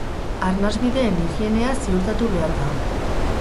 Arnasbideen higienea ziurtatu behar da.